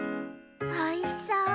おいしそう。